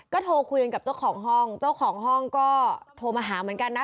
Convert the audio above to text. ก็โทรคุยกันกับเจ้าของห้องเจ้าของห้องก็โทรมาหาเหมือนกันนะ